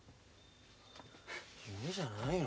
夢じゃないの。